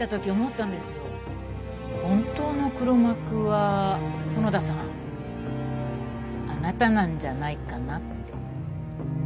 本当の黒幕は園田さんあなたなんじゃないかなって。